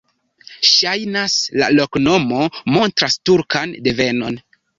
Ŝajnas, la loknomo montras turkan devenon.